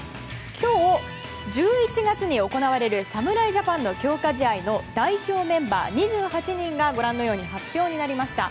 今日、１１月に行われる侍ジャパンの強化試合の代表メンバー２８人が発表になりました。